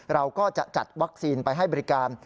เราก็จะจัดวัคซีนไปให้บริการ